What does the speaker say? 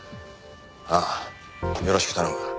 ああよろしく頼む。